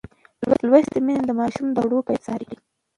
لوستې میندې د ماشوم د خواړو کیفیت څاري.